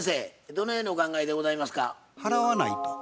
どのようにお考えでございますか？